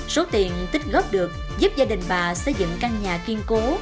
số tiền tích góp được giúp gia đình bà xây dựng căn nhà kiên cố